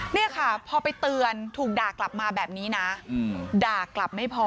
นี่ค่ะพอไปเตือนถูกด่ากลับมาแบบนี้นะด่ากลับไม่พอ